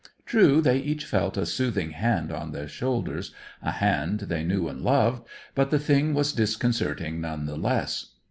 True, they each felt a soothing hand on their shoulders, a hand they knew and loved, but the thing was disconcerting none the less.